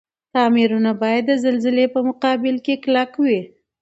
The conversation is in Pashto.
تعميرونه باید د زلزلي په مقابل کي کلک وی.